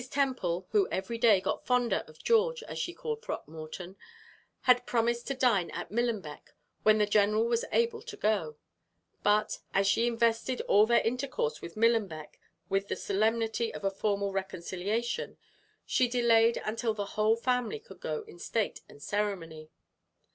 Temple, who every day got fonder of George, as she called Throckmorton, had promised to dine at Millenbeck when the general was able to go; but, as she invested all their intercourse with Millenbeck with the solemnity of a formal reconciliation, she delayed until the whole family could go in state and ceremony.